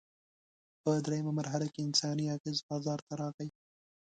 په درېیمه مرحله کې انساني اغېز بازار ته راغی.